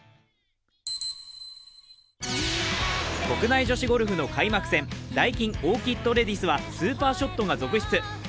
国内女子ゴルフ開幕戦、ダイキンオーキッドレディスはスーパーショットが続出。